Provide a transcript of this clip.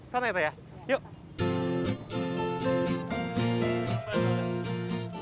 sama itu ya yuk